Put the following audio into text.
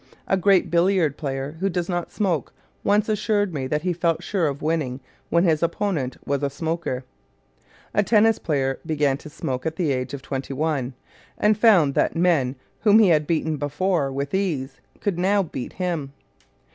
A great billiard player who does not smoke once assured me that he felt sure of winning when his opponent was a smoker. A tennis player began to smoke at the age of twenty one, and found that men whom he had before beaten with ease could now beat him.